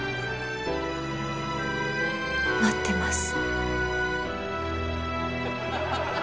待ってます。